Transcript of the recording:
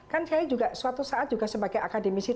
kan saya juga suatu saat juga sebagai akademisi